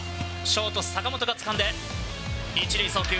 ショート、坂本がつかんで、１塁送球。